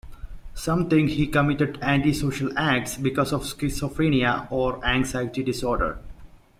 Some think he committed antisocial acts because of schizophrenia or anxiety disorder.